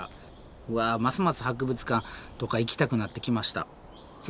うわますます博物館とか行きたくなってきました。